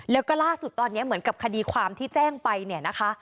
แล้วก็ล่าสุดตอนนี้เหมือนกับคดีความที่แจ้งไปเนี่ยนะคะ